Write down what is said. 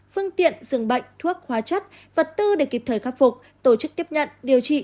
phương tiện rừng bệnh thuốc hóa chất vật tư để kịp thời khắc phục tổ chức tiếp nhận điều trị